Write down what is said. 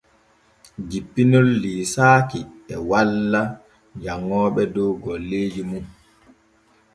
Jippinol liisaaki e walla janŋooɓe dow golleeji mum.